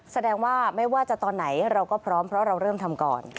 แสดงว่าไม่ว่าจะตอนไหนเราก็พร้อมเพราะเราเริ่มทำก่อน